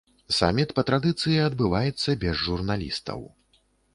Саміт па традыцыі адбываецца без журналістаў.